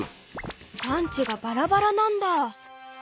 産地がバラバラなんだ！